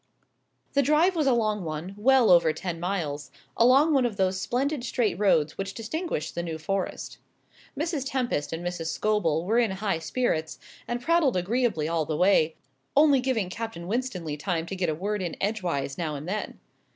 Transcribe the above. The drive was a long one, well over ten miles, along one of those splendid straight roads which distinguish the New Forest. Mrs. Tempest and Mrs. Scobel were in high spirits, and prattled agreeably all the way, only giving Captain Winstanley time to get a word in edgeways now and then.